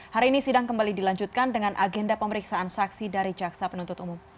hari ini sidang kembali dilanjutkan dengan agenda pemeriksaan saksi dari jaksa penuntut umum